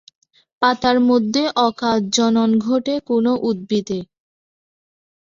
পাতার মাধ্যমে অকাজ জনন ঘটে কোন উদ্ভিদে?